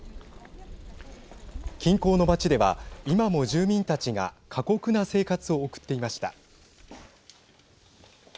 近郊の街では今も住民たちが過酷な生活を送っていました。